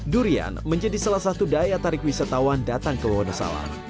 durian menjadi salah satu daya tarik wisatawan datang ke wonosalam